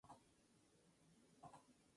Los ejercicios deben ser de fácil ejecución.